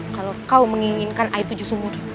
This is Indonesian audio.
kalau kau menginginkan air tujuh sumur